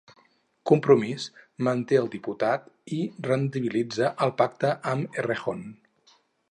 Compromís manté el diputat i rendibilitza el pacte amb Errejón.